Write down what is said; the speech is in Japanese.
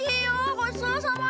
ごちそうさま。